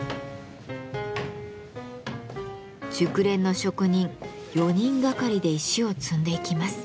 熟練の職人４人がかりで石を積んでいきます。